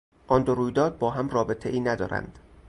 آن دو رویداد با هم رابطهای ندارند.